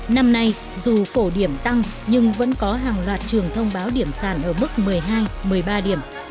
năm nay dù phổ điểm tăng nhưng vẫn có hàng loạt trường thông báo điểm sàn ở mức một mươi hai một mươi ba điểm